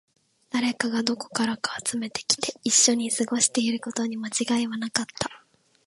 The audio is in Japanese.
誰かがどこからか集めてきて、一緒に過ごしていることに間違いはなかった